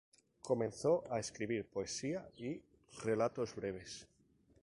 Comenzó a escribir poesía y relatos breves.